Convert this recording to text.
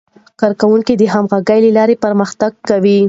کارکوونکي د همغږۍ له لارې پرمختګ کوي